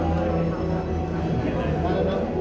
ด้วยนะครับ